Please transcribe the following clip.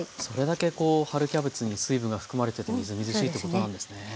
それだけこう春キャベツに水分が含まれててみずみずしいってことなんですね。